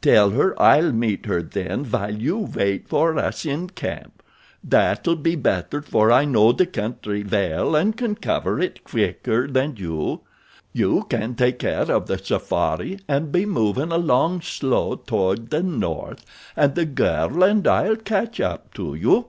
Tell her I'll meet her then while you wait for us in camp. That'll be better for I know the country well and can cover it quicker than you. You can take care of the safari and be movin' along slow toward the north and the girl and I'll catch up to you."